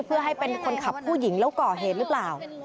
เพื่อให้เป็นคนขับผู้หญิงแล้วก่อเหตุหรือเปล่า